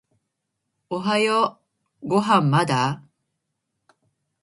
おはようご飯まだ？